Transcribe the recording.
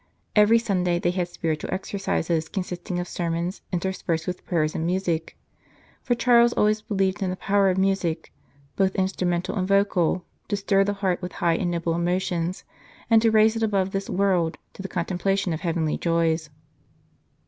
Every Sunday they had spiritual exercises, consisting of sermons interspersed with prayers and music ; for Charles always believed in the power of music, both instrumental and vocal, to stir the heart with high and noble emotions, and to raise it above this world to the contemplation of heavenly joys.